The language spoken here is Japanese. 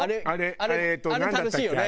あれ楽しいよね。